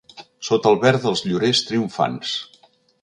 Sota el verd dels llorers triomfants!